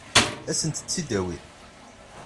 Ad sent-tt-id-awin?